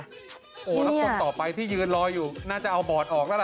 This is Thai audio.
แล้วคนต่อไปที่ยืนรออยู่น่าจะเอาบอร์ดออกแล้วล่ะ